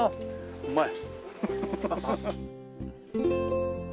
うまい。